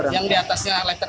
yang diatasnya letter s